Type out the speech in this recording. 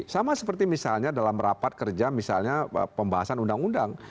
sama seperti misalnya dalam rapat kerja misalnya pembahasan undang undang